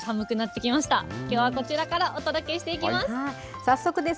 きょうはこちらからお届けしていきます。